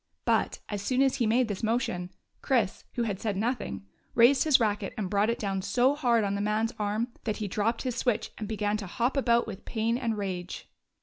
But, as soon as he made this motion, Chris, who had said nothing, raised his racket and brought it down so hard on the man's arm that he dropped his switch and began to hop about with pain and rage.